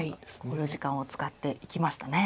考慮時間を使っていきましたね。